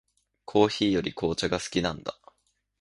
コーヒーより紅茶が好きなんだ。